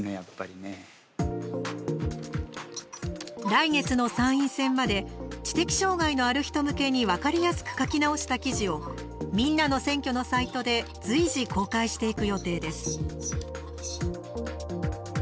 来月の参院選まで知的障害のある人向けに分かりやすく書き直した記事を「みんなの選挙」のサイトで随時公開していく予定です。